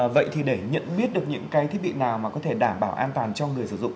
vậy thì để nhận biết được những cái thiết bị nào mà có thể đảm bảo an toàn cho người sử dụng